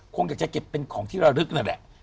คงอยากจะเก็บเป็นของที่ระลึกนั่นแหละ